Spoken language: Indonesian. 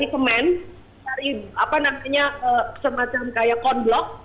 itu rumah rumah yang terbuat dari kemen dari semacam kaya konblok